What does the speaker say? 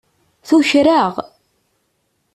Tuker-aɣ.